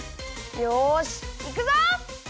よしいくぞ！